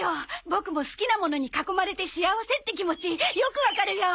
ボクも好きなものに囲まれて幸せって気持ちよくわかるよ。